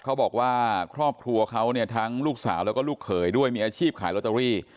เขาบอกว่าครอบครัวเขาเนี่ยทั้งลูกสาวแล้วก็ลูกเขยด้วยมีอาชีพขายลอตเตอรี่